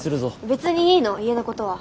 別にいいの家のことは。